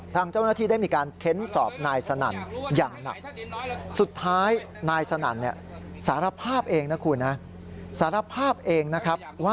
ทางเจ้าหน้าที่ได้มีการเค้นสอบนายสนั่นอย่างหนัก